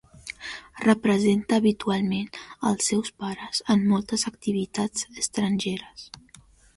Representa habitualment als seus pares en moltes activitats estrangeres.